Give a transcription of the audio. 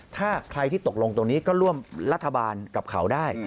ถ้าใครที่ตกลงตรงนี้ก็ร่วมรัฐบาลกับเขาได้